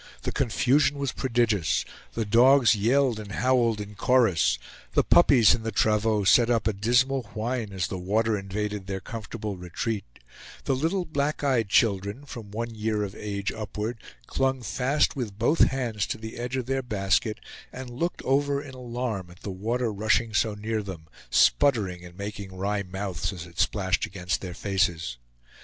The confusion was prodigious. The dogs yelled and howled in chorus; the puppies in the travaux set up a dismal whine as the water invaded their comfortable retreat; the little black eyed children, from one year of age upward, clung fast with both hands to the edge of their basket, and looked over in alarm at the water rushing so near them, sputtering and making wry mouths as it splashed against their faces.